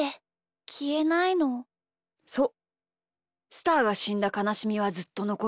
スターがしんだかなしみはずっとのこる。